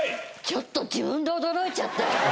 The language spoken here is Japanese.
ちょっと自分で驚いちゃった。